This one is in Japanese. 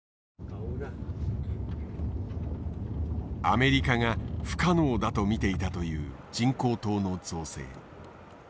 アメリカが不可能だと見ていたという人工島の造成。